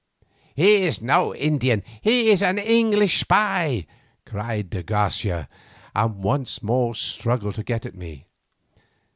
"He is no Indian, he is an English spy," cried de Garcia, and once more struggled to get at me.